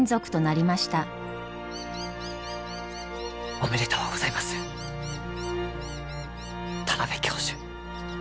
おめでとうございます田邊教授。